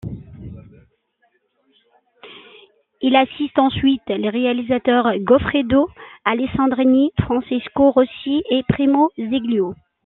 Il assiste ensuite les réalisateurs Goffredo Alessandrini, Francesco Rosi et Primo Zeglio.